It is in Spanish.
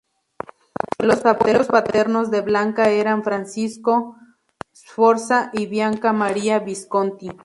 Los abuelos paternos de Blanca eran Francisco I Sforza y Bianca Maria Visconti.